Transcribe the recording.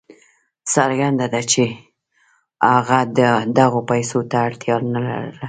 څرګنده ده چې هغه دغو پیسو ته اړتیا نه لرله.